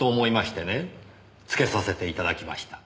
つけさせていただきました。